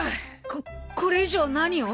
ここれ以上何を。